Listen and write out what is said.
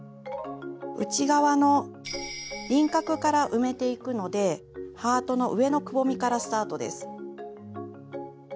内側の輪郭から埋めていくのでハートの上のくぼみからスタートです。